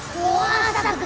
tuhan aku mengadari